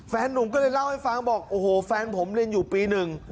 แฟนหนุ่มก็เลยเล่าให้ฟังบอกแฟนผมเล่นอยู่ปีหนึ่ง